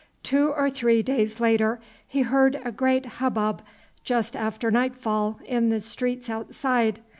Two or three days later he heard a great hubbub just after nightfall in the streets outside.